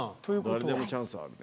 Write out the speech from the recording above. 誰でもチャンスはあるね